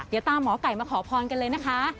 เดี๋ยวตามหมอไก่มาขอพรกันเลยนะคะ